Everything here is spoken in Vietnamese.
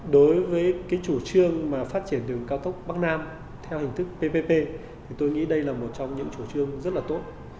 đối với chủ trương phát triển đường cao tốc bắc nam theo hình thức ppp tôi nghĩ đây là một trong những chủ trương rất là tốt